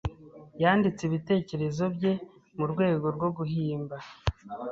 Yanditse ibitekerezo bye murwego rwo guhimba.